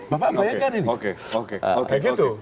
bapak bayarkan ini